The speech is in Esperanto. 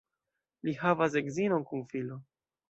Li havas edzinon kun filo.